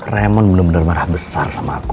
raymond bener bener marah besar sama aku